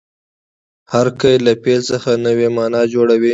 هر قید له فعل څخه نوې مانا جوړوي.